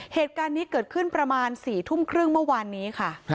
เหตุการณ์นี้เกิดขึ้นประมาณ๔ทุ่มครึ่งเมื่อวานนี้ค่ะ